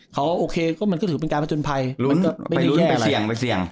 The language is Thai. เขาโอเคก็มันก็ถือเป็นการประจนภัยไปลุ้นไปเสี่ยง